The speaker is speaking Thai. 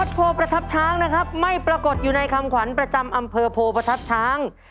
โพประทับช้างนะครับไม่ปรากฏอยู่ในคำขวัญประจำอำเภอโพประทับช้าง